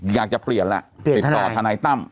อยากจะเปลี่ยนแหละติดต่อทนายตั้ม